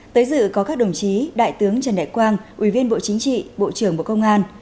tới dự có các đồng chí đại tướng trần đại quang ủy viên bộ chính trị bộ trưởng bộ công an